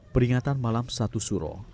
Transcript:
peringatan malam satu suro